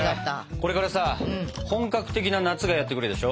これからさ本格的な夏がやって来るでしょ？